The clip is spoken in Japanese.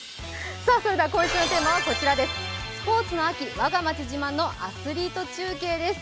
今週のテーマはスポーツの秋、我が町自慢のアスリート中継です。